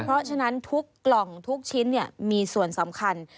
เพราะฉะนั้นทุกกล่องทุกชิ้นมีส่วนสำคัญ